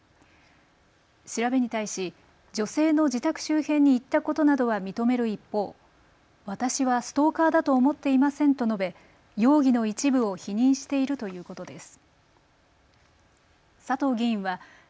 調べに対し女性の自宅周辺に行ったことなどは認める一方、私はストーカーだと思っていませんと述べ容疑の一部を否認しているということです。